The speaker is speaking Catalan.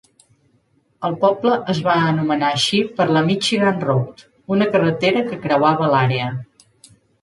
El poble es va anomenar així per la Michigan Road, una carretera que creuava l'àrea.